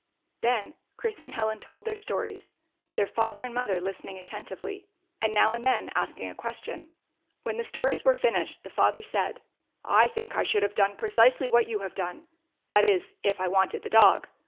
Then Chris and Helen told their stories, their father and mother listening attentively, and now 55 GYPSY, THE TALKING DOG and then asking a question. When the stories were finished, the father said : "I think I should have done precisely what you have done — that is, if I wanted the dog.